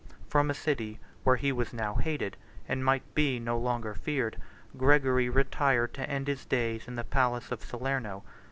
87 From a city, where he was now hated, and might be no longer feared, Gregory retired to end his days in the palace of Salerno.